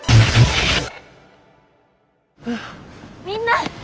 みんな！